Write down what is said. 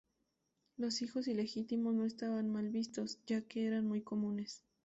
Los hijos ilegítimos no estaban mal vistos ya que eran muy comunes.